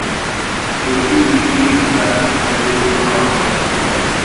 এটি পৃথিবীর প্রাচীন মসজিদগুলোর অন্যতম।